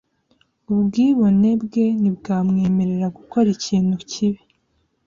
Ubwibone bwe ntibwamwemerera gukora ikintu kibi .